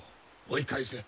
追い返せ。